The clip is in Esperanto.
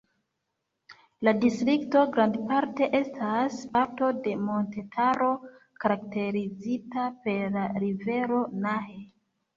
La distrikto grandparte estas parto de montetaro karakterizita per la rivero Nahe.